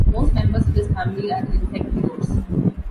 Most members of this family are insectivores.